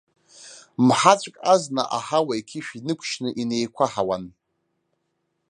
Мҳаҵәк азна аҳауа иқьышә инықәшьны инеиқәаҳауан.